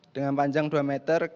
dengan panjang dua meter